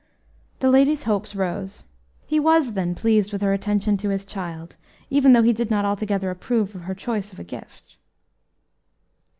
The lady's hopes rose. He was then pleased with her attention to his child, even though he did not altogether approve her choice of a gift.